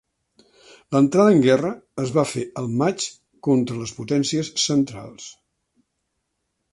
L'entrada en guerra es va fer el maig contra les Potències Centrals.